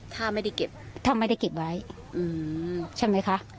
ถ้าไม่ได้เก็บใช่ไหมคะ